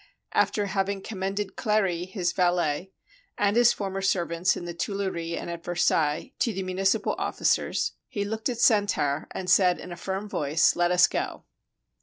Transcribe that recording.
After having commended Clery, his valet, and his former servants in the Tuileries and at Versailles, to the muni 310 THE EXECUTION OF LOUIS XVI cipal officers, he looked at Santerre, and said in a firm voice: "Let us go."